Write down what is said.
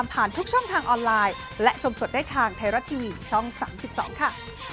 ทุกช่องทางออนไลน์และชมสดได้ทางไทยรัฐทีวีช่อง๓๒ค่ะ